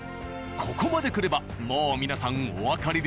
ここまでくればもう皆さんおわかりですね？